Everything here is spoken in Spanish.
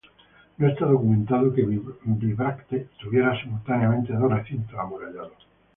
No está documentado que Bibracte tuviera simultáneamente dos recintos amurallados.